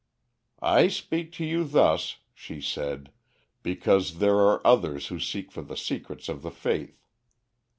"'I speak to you thus,' she said, 'because there are others who seek for the secrets of the faith.